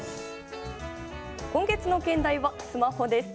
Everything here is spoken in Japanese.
今月の兼題は「スマホ」です。